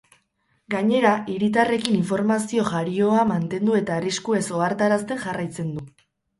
Gainera hiritarrekin informazio jarioa mantendu eta arriskuez ohartarazten jarraitzen du.